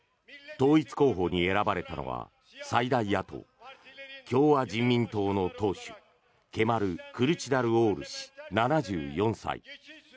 統一候補に選ばれたのは最大野党・共和人民党の党首ケマル・クルチダルオール氏７４歳。